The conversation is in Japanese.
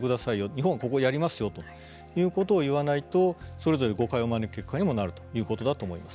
日本はここやりますよということを言わないとそれぞれ誤解を招く結果になるということだと思います。